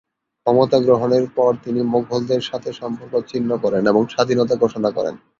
ক্ষমতা গ্রহণের পর তিনি মোগলদের সাথে সম্পর্ক ছিন্ন করেন এবং স্বাধীনতা ঘোষণা করেন।